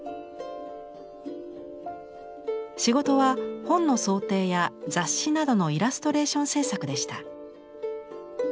仕事は本の装丁や雑誌などのイラストレーション制作でした。